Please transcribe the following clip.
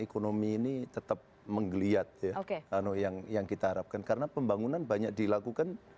ekonomi ini tetap menggeliat ya oke yang yang kita harapkan karena pembangunan banyak dilakukan